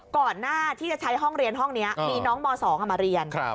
ก่อนหน้าที่จะใช้ห้องเรียนห้องนี้มีน้องม๒มาเรียน